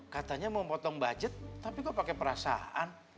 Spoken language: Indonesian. katanya mau potong budget tapi kok pakai perasaan